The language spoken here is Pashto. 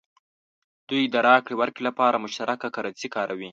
دوی د راکړې ورکړې لپاره مشترکه کرنسي کاروي.